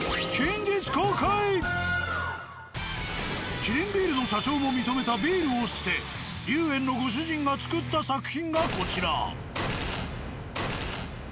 「キリンビール」の社長も認めたビールを捨て「龍燕」のご主人が作った作品がこちら。